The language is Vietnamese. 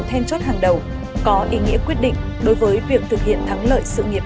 then chốt hàng đầu có ý nghĩa quyết định đối với việc thực hiện thắng lợi sự nghiệp